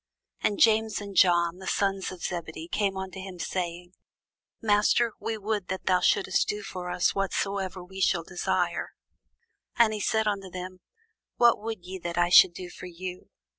And James and John, the sons of Zebedee, come unto him, saying, Master, we would that thou shouldest do for us whatsoever we shall desire. And he said unto them, What would ye that I should do for you?